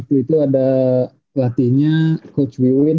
waktu itu ada pelatihnya coach wiwin